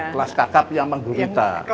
kelas kakap yang menggurita